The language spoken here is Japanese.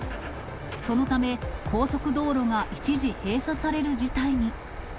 そのため、高速道路が一時閉鎖される事態に。